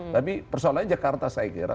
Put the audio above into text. tapi persoalannya jakarta saya kira